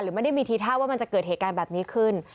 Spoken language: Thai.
ไม่ได้มีทีท่าว่ามันจะเกิดเหตุการณ์แบบนี้ขึ้น